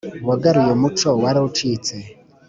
Wagaruye umuco wari ucitse